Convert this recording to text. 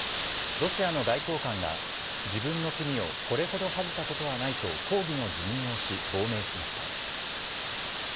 ロシアの外交官が、自分の国をこれほど恥じたことはないと、抗議の辞任をし、亡命しました。